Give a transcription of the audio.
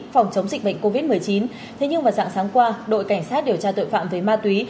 phòng chống dịch bệnh covid một mươi chín thế nhưng vào dạng sáng qua đội cảnh sát điều tra tội phạm về ma túy